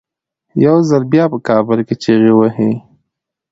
یو ځل بیا په کابل کې چیغې وهي.